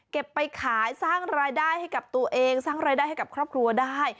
ไปขายสร้างรายได้ให้กับตัวเองสร้างรายได้ให้กับครอบครัวได้